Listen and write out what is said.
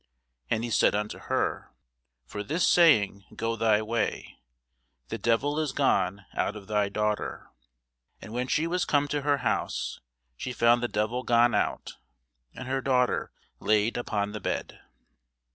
And he said unto her, For this saying go thy way; the devil is gone out of thy daughter. And when she was come to her house, she found the devil gone out, and her daughter laid upon the bed.